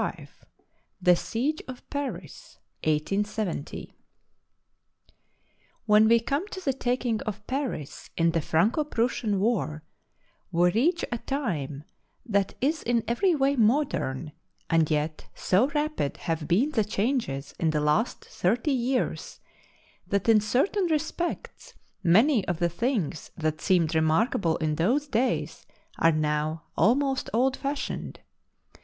THE SIEGE OF PARIS, 1870 WHEN we come to the taking of Paris, in the Franco Prussian War, we reach a time that is in every way modern, and yet so rapid have been the changes in the last thirty years that in certain respects many of the things that seemed remarkable in those days are now almost old fashioned.